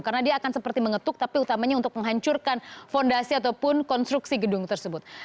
karena dia akan seperti mengetuk tapi utamanya untuk menghancurkan fondasi ataupun konstruksi gedung tersebut